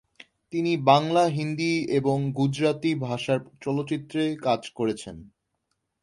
তিনি বাংলা, হিন্দি এবং গুজরাটি ভাষার চলচ্চিত্রে কাজ করেছেন।